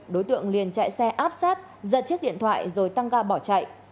đối tượng liền chạy xe áp sát giật chiếc điện thoại rồi tăng ga bỏ chạy